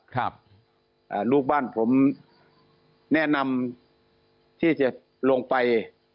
หลูกบ้านผมแนะนำที่จะลงไป